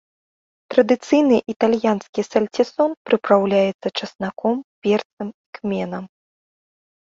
Традыцыйны італьянскі сальцісон прыпраўляецца часнаком, перцам і кменам.